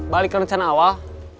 balik ke rencana awal